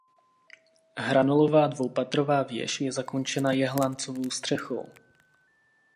Hranolová dvoupatrová věž je zakončena jehlancovou střechou.